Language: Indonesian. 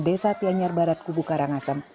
desa tianyar barat kubu karangasem